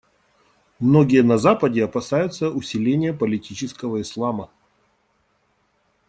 Многие на Западе опасаются усиления политического Ислама.